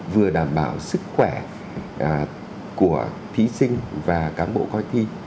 vừa đảm bảo sức khỏe của thí sinh và cán bộ coi thi